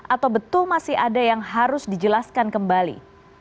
atau betul masih ada yang harus dijelaskan kembali